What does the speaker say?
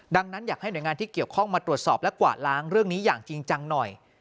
ดังนั้นอยากให้หน่วยงานที่เกี่ยวข้องมาตรวจสอบและกวาดล้างเรื่องนี้อย่างจริงจังหน่อย